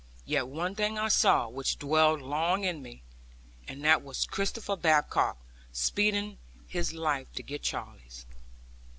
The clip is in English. Yet one thing I saw, which dwelled long with me; and that was Christopher Badcock spending his life to get Charley's.